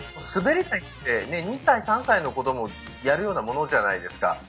すべり台って２歳３歳の子どもがやるようなものじゃないですか。